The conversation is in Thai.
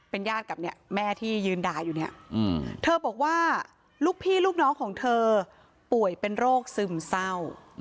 ญาติกับเนี่ยแม่ที่ยืนด่าอยู่เนี่ยเธอบอกว่าลูกพี่ลูกน้องของเธอป่วยเป็นโรคซึมเศร้า